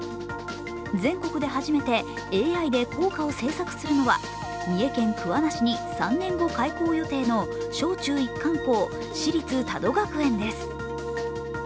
全国で初めてＡＩで校歌を制作するのは三重県桑名市に３年後開校予定の小中一貫校・市立多度学園です。